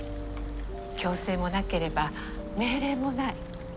強制もなければ命令もない。